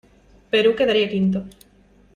Perú quedaría quinto.